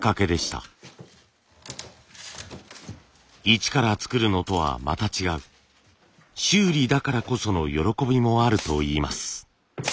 一から作るのとはまた違う修理だからこその喜びもあるといいます。